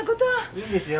いいんですよ。